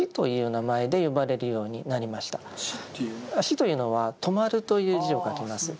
「シ」というのは止まるという字を書きます。